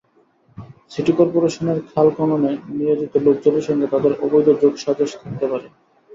City করপোরেশনের খাল খননে নিয়োজিত লোকজনের সঙ্গে তাঁদের অবৈধ যোগাসাজশ থাকতে পারে।